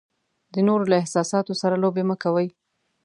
د نورو له احساساتو سره لوبې مه کوئ.